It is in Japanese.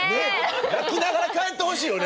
泣きながら帰ってほしいよね。